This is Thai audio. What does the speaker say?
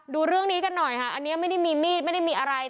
ดูเรื่องนี้กันหน่อยค่ะอันนี้ไม่ได้มีมีดไม่ได้มีอะไร